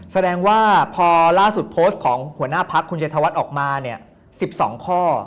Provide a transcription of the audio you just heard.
แสดงว่าพอล่าสุดโพสต์ของหัวหน้าพักคุณชัยธวัฒน์ออกมาเนี่ย๑๒ข้อ